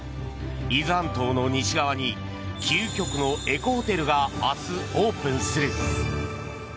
伊豆半島の西側に究極のエコホテルが明日、オープンする。